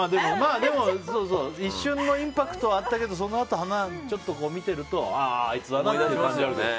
でも一瞬のインパクトはあったけどそのあと、見てるとああ、あいつだなって感じだけど。